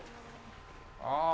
ああ！